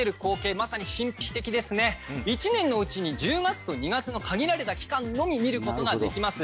まさに神秘的ですね１年のうちに１０月と２月の限られた期間のみ見ることができます